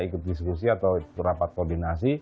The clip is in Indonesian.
ikut diskusi atau rapat koordinasi